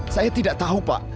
saya tidak tahu pak